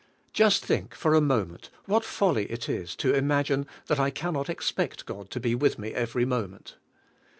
Just think, for a moment, what foll}^ it is to imagine that I can not expect God to be with me every moment.